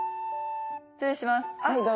失礼しますあっ